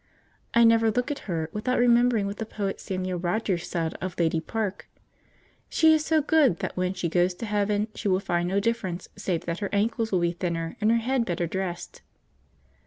I never look at her without remembering what the poet Samuel Rogers said of Lady Parke: 'She is so good that when she goes to heaven she will find no difference save that her ankles will be thinner and her head better dressed.'